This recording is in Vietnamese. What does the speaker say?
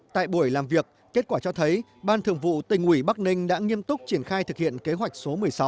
tại buổi làm việc kết quả cho thấy ban thường vụ tỉnh ủy bắc ninh đã nghiêm túc triển khai thực hiện kế hoạch số một mươi sáu